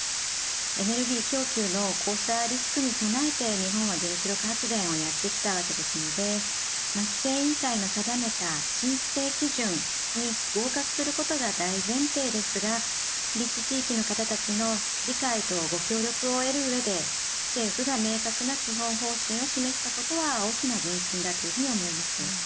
エネルギー供給のこうしたリスクに備えて日本は原子力発電をやってきたわけですので規制委員会の定めた新規制基準に合格することが大前提ですが立地地域の方のご理解とご協力を得る上で政府が明確な基本方針を示したことは大きな前進だと思います。